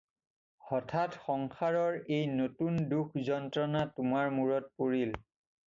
হঠাৎ সংসাৰৰ এই নতুন দুখ-যন্ত্ৰণা তোমাৰ মূৰত পৰিল।